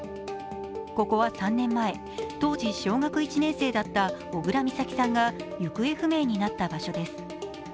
ここは３年前、当時、小学１年生だった小倉美咲さんが行方不明になった場所です。